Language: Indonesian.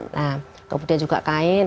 nah kemudian juga kain